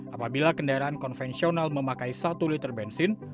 apabila kendaraan konvensional memakai satu liter bensin